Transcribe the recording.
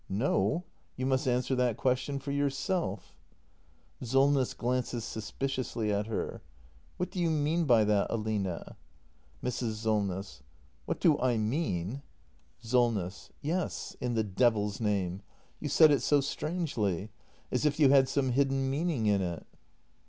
No; you must answer that question for yourself. Solness. [Glances suspiciously at her.] What do you mean by that, Aline ? Mrs. Solness. What do I mean ? 328 THE MASTER BUILDER [act ii SOLNESS. Yes, in the devil's name! You said it so strangely — as if you had some hidden meaning in it.